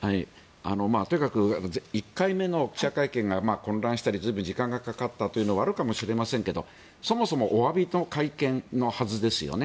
とにかく１回目の記者会見が混乱したり随分、時間がかかったというのはあるかもしれませんがそもそもおわびの会見のはずですよね。